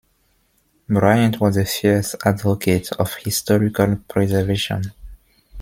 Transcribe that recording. Bryant was a fierce advocate of historical preservation.